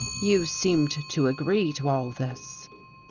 You seemed to agree to all this."